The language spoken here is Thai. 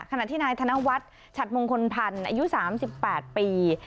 ขณะที่นายธนวัดชัดมงคลภัณฑ์อายุ๓๘ปี